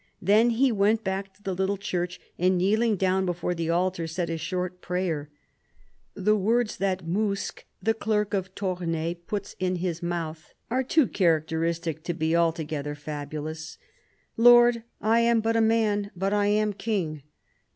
Then he went back to the little church and, kneeling down before the altar, said a short prayer. The words that Mouskes, the clerk of Tournai, puts in his mouth are too characteristic to be altogether fabulous. " Lord, I am but a man, but I am king.